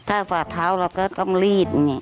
ถ้าฝ่าเท้าเราก็ต้องลีดอย่างนี้